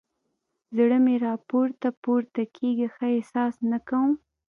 زړه مې راپورته پورته کېږي؛ ښه احساس نه کوم.